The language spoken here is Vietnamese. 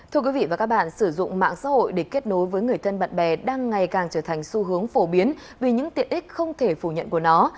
thưa quý vị và các bạn sử dụng mạng xã hội để kết nối với người thân bạn bè đang ngày càng trở thành xu hướng phổ biến vì những tiện ích không thể phủ nhận của nó